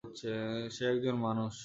সে একজন মানুষ।